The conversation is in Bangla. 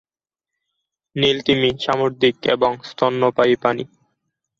নীল তিমি সামুদ্রিক এবং স্তন্যপায়ী প্রাণী।